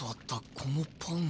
このパンが。